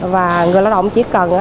và người lao động chỉ cần